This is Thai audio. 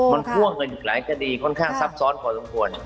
มันพ่วงกันอีกหลายคดีค่อนข้างซับซ้อนพอสมควร